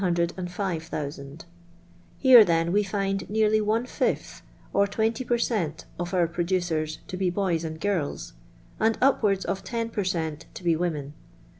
. 905,000 Here, then, we find nearly one fifth, or 20 per cent., of our producers to be boys and girls, and upwards of 10 per cent, to be women.